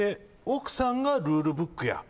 「奥さんがルールブックや」